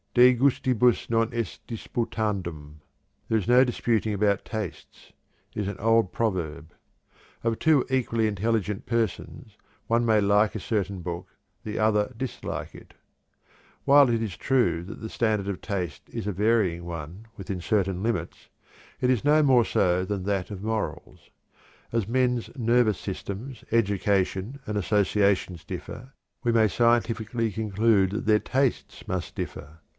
'De gustibus non est disputandum' ('there is no disputing about tastes') is an old proverb. Of two equally intelligent persons, the one may like a certain book, the other dislike it. While it is true that the standard of taste is a varying one within certain limits, it is no more so than that of morals. As men's nervous systems, education, and associations differ, we may scientifically conclude that their tastes must differ.